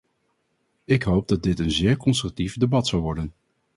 Ik hoop dat dit een zeer constructief debat zal worden.